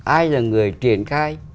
ai là người triển khai